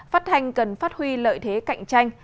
phát thanh cần phát huy lợi thế cạnh tranh